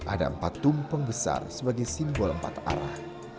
ada empat tumpeng besar sebagai simbol empat arah